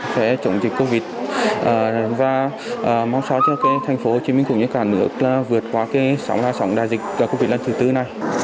sẽ trồng dịch covid và mong sống cho tp hcm cũng như cả nước vượt qua sống đại dịch covid lần thứ bốn này